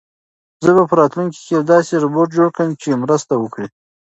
زه به په راتلونکي کې یو داسې روبوټ جوړ کړم چې مرسته وکړي.